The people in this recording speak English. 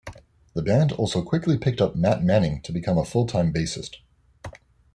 The band also quickly picked up Matt Manning to become a full-time bassist.